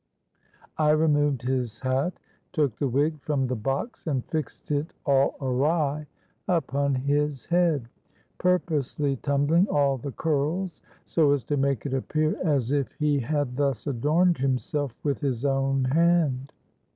I removed his hat, took the wig from the box and fixed it all awry upon his head, purposely tumbling all the curls, so as to make it appear as if he had thus adorned himself with his own hand.